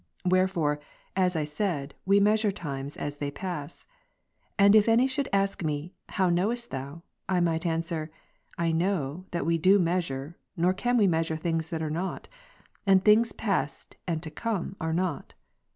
Wherefore, as I said, we measure times as they pass. And if any should ask me, " How knowest thou ?" I might answer, " I know, that we do measure, nor can we measure things that are not ; and things past and to come, are not."